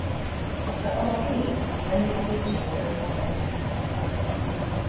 But of these, only Fiji is a republic.